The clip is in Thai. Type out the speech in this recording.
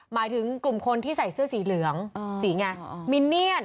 หมายถึงกลุ่มคนที่ใส่เสื้อสีเหลืองสีไงมินเนียน